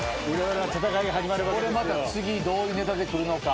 また次どういうネタでくるのか。